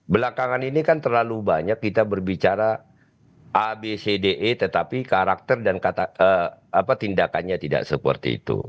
belakangan ini kan terlalu banyak kita berbicara abcde tetapi karakter dan tindakannya tidak seperti itu